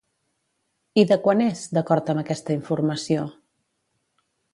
I de quan és, d'acord amb aquesta informació?